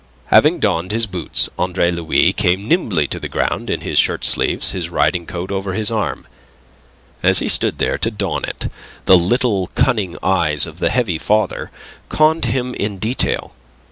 Having donned his boots, Andre Louis came nimbly to the ground in his shirt sleeves, his riding coat over his arm. As he stood there to don it, the little cunning eyes of the heavy father conned him in detail.